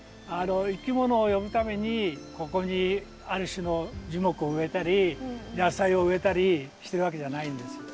いきものを呼ぶためにここにある種の樹木を植えたり野菜を植えたりしてるわけじゃないんですよ。